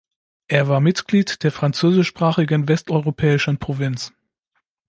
Er war Mitglied der französischsprachigen Westeuropäischen Provinz.